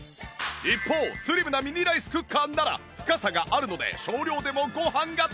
一方スリムなミニライスクッカーなら深さがあるので少量でもご飯が対流！